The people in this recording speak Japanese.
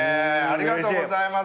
ありがとうございます。